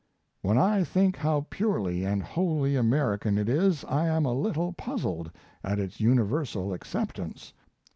When I think how purely and wholly American it is I am a little puzzled at its universal acceptance....